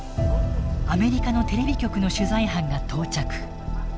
アメリカのテレビ局の取材班が到着。